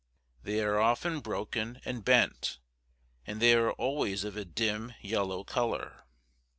They are often broken and bent; and they are always of a dim yellow color.